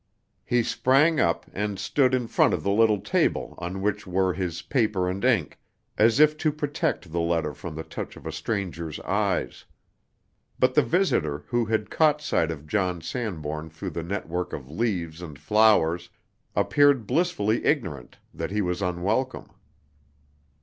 He sprang up and stood in front of the little table on which were his paper and ink, as if to protect the letter from the touch of a stranger's eyes. But the visitor, who had caught sight of John Sanbourne through the network of leaves and flowers, appeared blissfully ignorant that he was unwelcome.